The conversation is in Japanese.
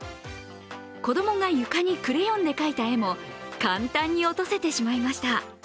子供が床にクレヨンで描いた絵も、簡単に落とせてしまいました。